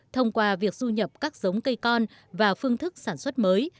thông qua việc du nhập các giống cây con và phương thức sản xuất mới